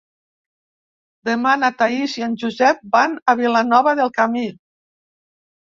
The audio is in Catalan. Demà na Thaís i en Josep van a Vilanova del Camí.